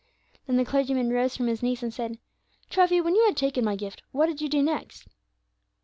Then the clergyman rose from his knees and said, "Treffy, when you had taken my gift, what did you do next?"